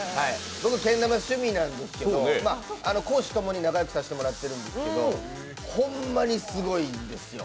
けん玉趣味なんですけど公私ともに仲よくさせてもらってるんですけどほんまにすごいんですよ。